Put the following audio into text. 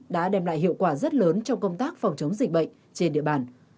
đã đem lại hiệu quả rất lớn trong công tác phòng chống dịch bệnh trên địa bàn